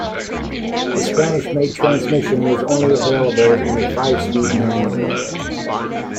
The Spanish-made transmission was only available in a five-speed manual.